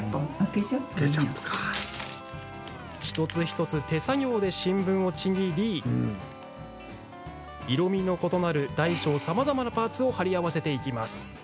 一つ一つ、手作業で新聞をちぎり色みの異なる大小さまざまなパーツを貼り合わせていきます。